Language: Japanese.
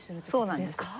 そうなんです。